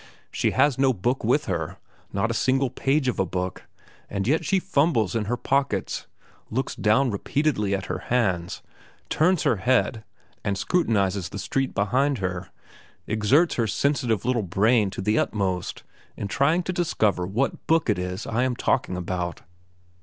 She has no book with her; not a single page of a book, and yet she fumbles in her pockets, looks down repeatedly at her hands, turns her head and scrutinizes the streets behind her, exerts her sensitive little brain to the utmost in trying to discover what book it is I am talking about.